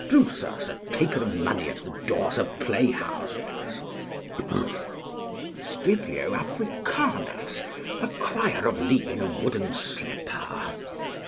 Drusus, a taker of money at the doors of playhouses. Scipio Africanus, a crier of lee in a wooden slipper.